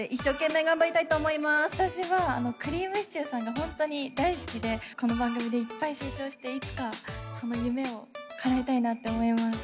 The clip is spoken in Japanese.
私はくりぃむしちゅーさんがホントに大好きでこの番組でいっぱい成長していつかその夢をかなえたいなって思います。